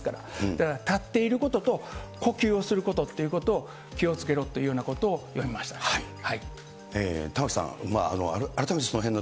だから立っていることと、呼吸をすることっていうことを気をつけろというようなことを読み玉城さん、改めてそのへんの